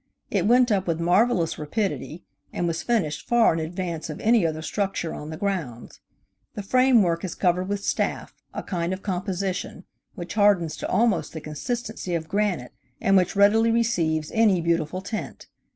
It went up with marvelous rapidity, and was finished far in advance of any other structure on the grounds. The frame work is covered with staff, a kind of composition, which hardens to almost the consistency of granite, and which readily receives any beautiful tint.